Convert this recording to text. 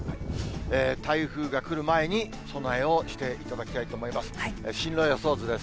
台風が来る前に、備えをしていただきたいと思います。